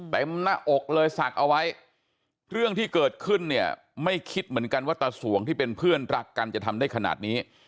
หน้าอกเลยศักดิ์เอาไว้เรื่องที่เกิดขึ้นเนี่ยไม่คิดเหมือนกันว่าตาสวงที่เป็นเพื่อนรักกันจะทำได้ขนาดนี้